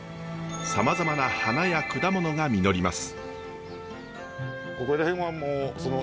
さまざまな花や果物が実ります。